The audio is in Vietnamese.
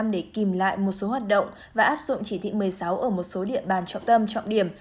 để kìm lại một số hoạt động và áp dụng chỉ thị một mươi sáu ở một số địa bàn trọng tâm trọng điểm